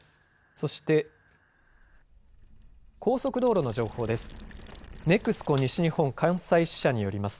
そして、高速道路の情報です。